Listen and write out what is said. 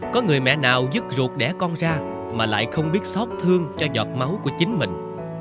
có người mẹ nào dứt ruột đẻ con ra mà lại không biết xót thương cho giọt máu của chính mình